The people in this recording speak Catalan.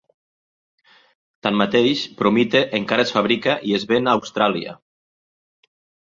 Tanmateix, Promite encara es fabrica i es ven a Austràlia.